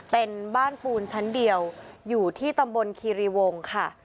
เป็นบ้านปูนชั้นเดียวอยู่ที่ตำบลคีรีวงค่ะ